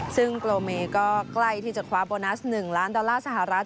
ซึ่งโปรเมก็ใกล้ที่จะคว้าโบนัส๑ล้านดอลลาร์สหรัฐ